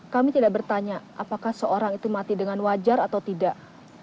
kami tidak bertanya apakah seorang itu mati dengan wajar atau tidak